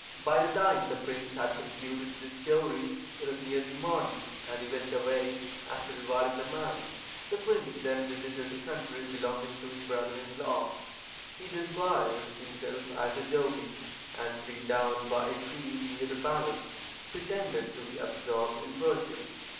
By the time the prince had concluded this story it was nearly morning, and he went away, after rewarding the man. The prince then visited the country belonging to his brother in law. He disguised himself as a jogi, and sitting down by a tree near the palace, pretended to be absorbed in worship.